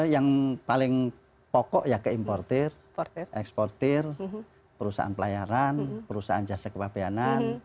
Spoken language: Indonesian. yang paling pokok ya ke importer eksportir perusahaan pelayaran perusahaan jasa kepabianan